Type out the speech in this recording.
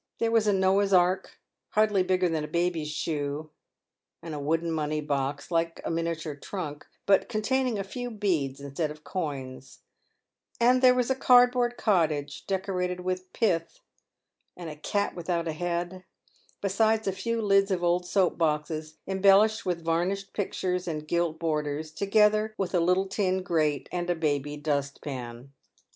There was a Noah's ark hardly bigger than a baby's shoe, and a wooden money box, like a miniature trunk, but containing a few beads instead of coins ; and there was a cardboard cottage, decorated with pith, and a cat without a head, besides a few lids of old soap boxes, embellished with varnished pictures and gilt borders, together with a little tin grate, and a baby dustpan.